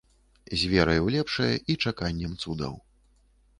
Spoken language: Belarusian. З верай у лепшае і чаканнем цудаў.